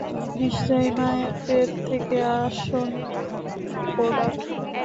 নিশ্চয়ই মায়ের পেট থেকে আসোনি, কোডা।